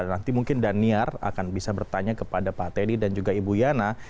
nanti mungkin daniar akan bisa bertanya kepada pak teddy dan juga ibu yana